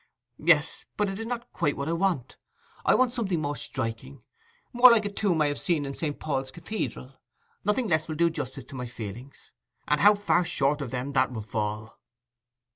'Yes, but it is not quite what I want. I want something more striking—more like a tomb I have seen in St. Paul's Cathedral. Nothing less will do justice to my feelings, and how far short of them that will fall!